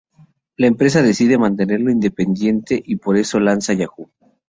La empresa decide mantenerlo independiente y por eso lanza Yahoo!